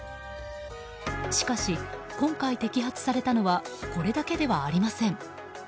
しかし、今回摘発されたのはこれだけではありません。